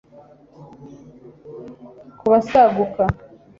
kubasaguka